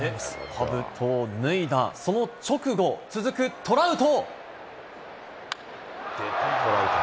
かぶとを脱いだ、その直後、続くトラウト。